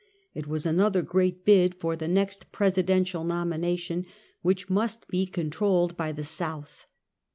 It was another great bid for the next presidential nomination, which must be controlled by the South.